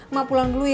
mak pulang dulu ya